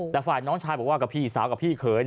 แต่ฝ่ายน้องชายบอกว่ากับพี่สาวกับพี่เขย